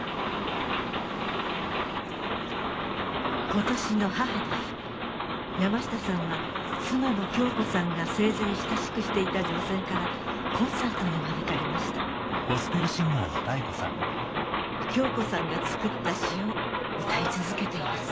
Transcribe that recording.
今年の母の日山下さんは妻の京子さんが生前親しくしていた女性からコンサートに招かれました京子さんが作った詩を歌い続けています